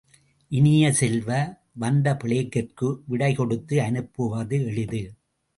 இனிய செல்வ, வந்த பிளேக்கிற்கு விடைகொடுத்து அனுப்புவது எளிது!